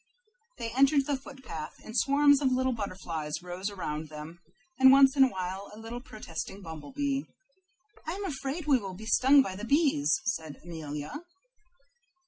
They entered the foot path, and swarms of little butterflies rose around them, and once in a while a protesting bumblebee. "I am afraid we will be stung by the bees," said Amelia.